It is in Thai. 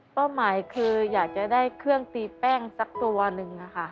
หมายคืออยากจะได้เครื่องตีแป้งสักตัวหนึ่งค่ะ